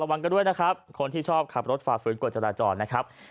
วังกันด้วยนะครับคนที่ชอบขับรถฝ่าฝืนกฎจราจรนะครับ